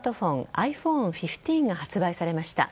ｉＰｈｏｎｅ１５が発売されました。